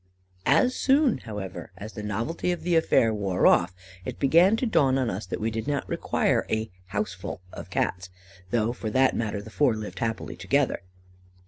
"As soon, however, as the novelty of the affair wore off, it began to dawn on us that we did not require a 'house full' of Cats, though for that matter the four lived happily together.